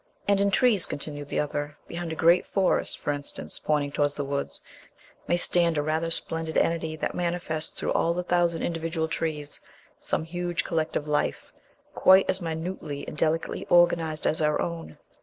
"And in trees," continued the other, "behind a great forest, for instance," pointing towards the woods, "may stand a rather splendid Entity that manifests through all the thousand individual trees some huge collective life, quite as minutely and delicately organized as our own.